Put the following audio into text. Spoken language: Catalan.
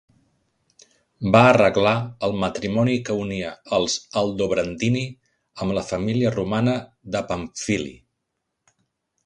Va arreglar el matrimoni que unia els Aldobrandini amb la família romana de Pamphili.